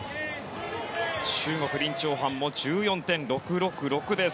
中国、リン・チョウハンも１４．６６６です。